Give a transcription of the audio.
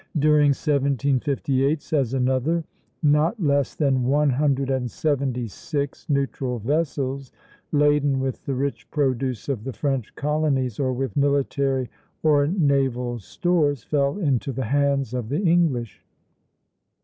" "During 1758," says another, "not less than one hundred and seventy six neutral vessels, laden with the rich produce of the French colonies or with military or naval stores, fell into the hands of the English."